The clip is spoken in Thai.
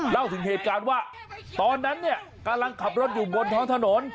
เล่าถึงเหตุการณ์ว่าตอนนั้นเนี่ยกำลังขับรถอยู่บนท้องถนน